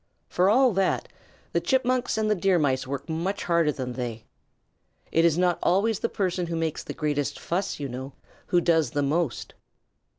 For all that, the Chipmunks and the Deer Mice work much harder than they. It is not always the person who makes the greatest fuss, you know, who does the most.